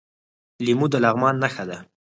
لیمو د لغمان نښه ده.